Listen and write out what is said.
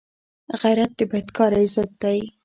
غیرت د بدکارۍ ضد دی